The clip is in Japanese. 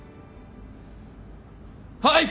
はい！